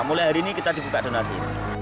mulai hari ini kita dibuka donasi